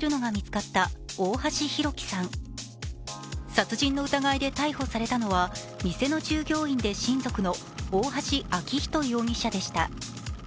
殺人の疑いで逮捕されたのは店の従業員で親族の大橋昭仁容疑者でした。